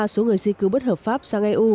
số người di cư bất hợp pháp sang eu